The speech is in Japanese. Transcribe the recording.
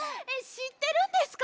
しってるんですか？